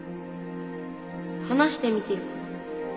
話してみてよ